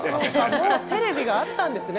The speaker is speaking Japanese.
そうかもうテレビがあったんですね